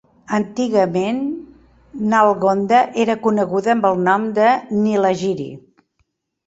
Antigament, Nalgonda era coneguda amb el nom de "Nilagiri".